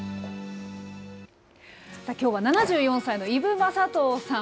きょうは７４歳の伊武雅刀さん。